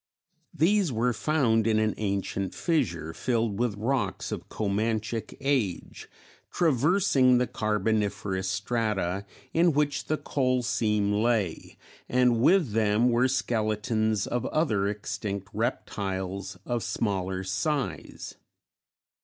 These were found in an ancient fissure filled with rocks of Comanchic age, traversing the Carboniferous strata in which the coal seam lay, and with them were skeletons of other extinct reptiles of smaller size.